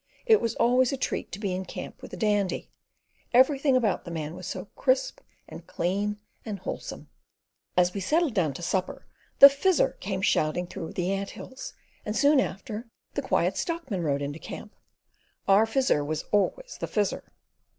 It was always a treat to be in camp with the Dandy: everything about the man was so crisp and clean and wholesome. As we settled down to supper, the Fizzer came shouting through the ant hills, and, soon after, the Quiet Stockman rode into camp. Our Fizzer was always the Fizzer.